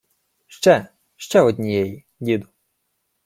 — Ще, ще однієї, діду!